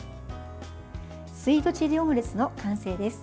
スイートチリオムレツの完成です。